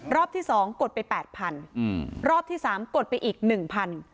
รอบที่๒กดไป๘๐๐๐พร้อมรอบที่๓กดไปอีก๑๐๐๐พร้อม